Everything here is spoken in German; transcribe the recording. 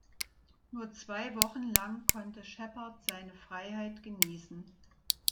Nur zwei Wochen lang konnte Sheppard seine Freiheit genießen.